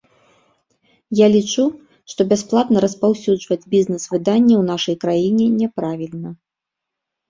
Я лічу, што бясплатна распаўсюджваць бізнэс-выданне ў нашай краіне няправільна.